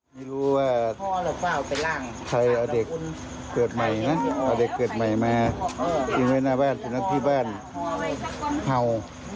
มีรู้ว่าใครเอาเด็กเกิดใหม่นะเอาเด็กเกิดใหม่มากินไว้หน้าบ้านถึงที่บ้านเผ่า